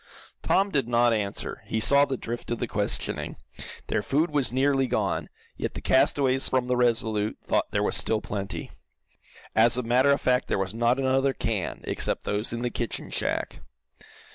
Tom did not answer. He saw the drift of the questioning. Their food was nearly gone, yet the castaways from the RESOLUTE thought there was still plenty. As a matter of fact there was not another can, except those in the kitchen shack.